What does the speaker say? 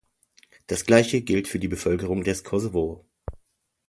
Das Gleiche gilt für die Bevölkerung des Kosovo.